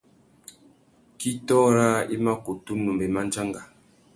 Kitô râā i ma kutu numbe mándjanga.